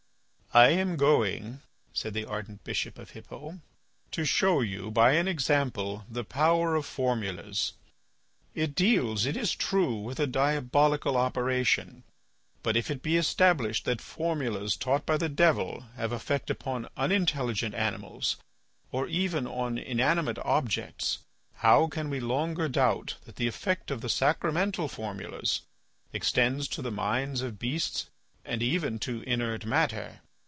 "I am going," said the ardent bishop of Hippo, "to show you, by an example, the power of formulas. It deals, it is true, with a diabolical operation. But if it be established that formulas taught by the Devil have effect upon unintelligent animals or even on inanimate objects, how can we longer doubt that the effect of the sacramental formulas extends to the minds of beasts and even to inert matter?